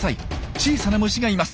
小さな虫がいます。